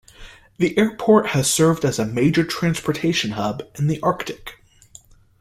The airport has served as a major transportation hub in the Arctic.